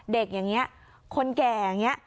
เด็กอย่างนี้คนแก่อย่างนี้